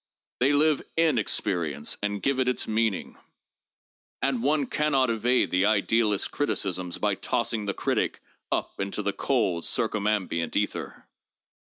They live in experi ence and give it its meaning. And one can not evade the idealist's criticisms by tossing the critic up into the cold circumambient ether.